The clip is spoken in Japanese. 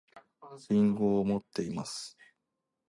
りんごを持っています